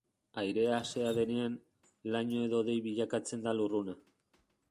Airea asea denean, laino edo hodei bilakatzen da lurruna.